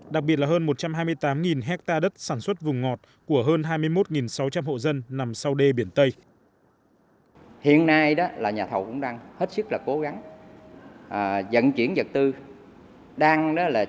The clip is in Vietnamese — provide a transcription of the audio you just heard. đặc biệt là hơn một trăm hai mươi tám hectare đất sản xuất vùng ngọt của hơn hai mươi một sáu trăm linh hộ dân